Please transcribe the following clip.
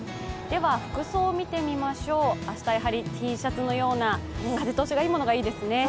服装を見てみましょう、明日はやはりＴシャツのような風通しのいいものがいいですね。